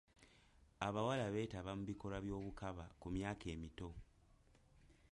Abawala beetaba mu bikolwa by'obukaba ku myaka emito.